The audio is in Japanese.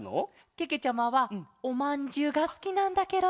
けけちゃまはおまんじゅうがすきなんだケロ。